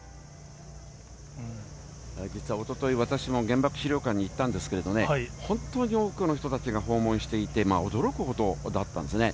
実はおととい、私も原爆資料館に行ったんですけれどもね、本当に多くの人たちが訪問していて、驚くほどだったんですね。